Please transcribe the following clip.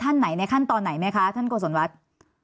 ท่านไหนในขั้นตอนไหนไหมคะท่านโกศลวัฒน์